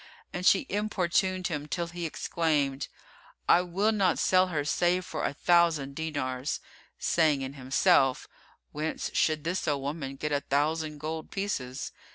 And she importuned him, till he exclaimed, "I will not sell her save for a thousand dinars," saying in himself, "Whence should this old woman get a thousand gold pieces?"